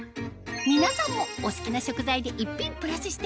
皆さんもお好きな食材で１品プラスして